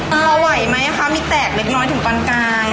เอาไว้ไหมคะมีแตกมิดย้อยถึงกวันกาย